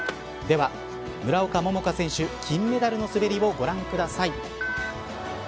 では、村岡桃佳選手金メダルの滑りをご覧ください。